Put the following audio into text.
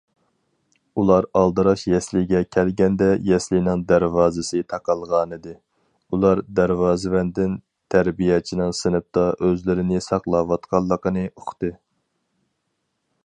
ئۇلار ئالدىراش يەسلىگە كەلگەندە يەسلىنىڭ دەرۋازىسى تاقالغانىدى، ئۇلار دەرۋازىۋەندىن تەربىيەچىنىڭ سىنىپتا ئۆزلىرىنى ساقلاۋاتقانلىقىنى ئۇقتى.